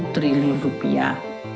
sembilan triliun rupiah